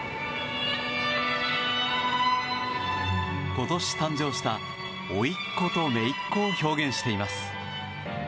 今年誕生した、おいっ子とめいっ子を表現しています。